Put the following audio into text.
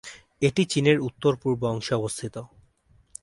এটি চীনের উত্তর-পূর্ব অংশে অবস্থিত।